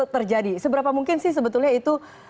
terjadi seberapa mungkin sih sebetulnya itu